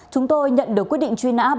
chúng tôi nhận được quyết định truy nã